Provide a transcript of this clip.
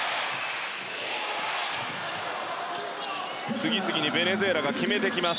次々にベネズエラが決めてきます。